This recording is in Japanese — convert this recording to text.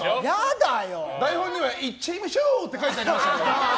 台本には行っちゃいましょー！って書いてありましたけど。